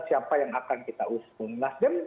siapa yang akan kita usung nasdem